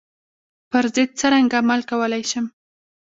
پر ضد څرنګه عمل کولای شم.